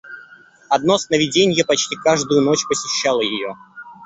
Одно сновиденье почти каждую ночь посещало ее.